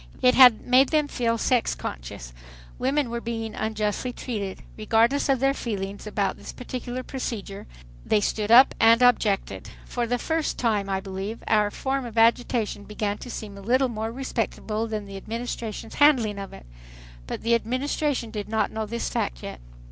It had made them feel sex conscious. Women were being unjustly treated. Regardless of their feelings about this particular procedure, they stood up and objected. For the first time, I believe, our form of agitation began to seem a little more respectable than the Administration's handling of it. But the Administration did not know this fact yet.